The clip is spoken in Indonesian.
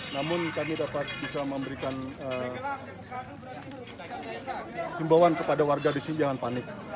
namun kami dapat bisa memberikan himbauan kepada warga di sini jangan panik